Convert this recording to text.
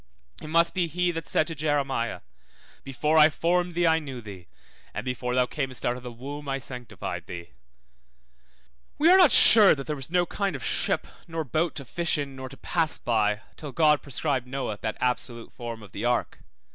It must be he that said to Jeremiah, Before I formed thee I knew thee, and before thou camest out of the womb I sanctified thee. We are not sure that there was no kind of ship nor boat to fish in, nor to pass by, till God prescribed Noah that absolute form of the ark.